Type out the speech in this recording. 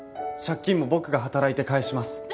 借金も僕が働いて返します。